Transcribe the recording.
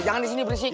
jangan di sini berisik